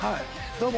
どうも！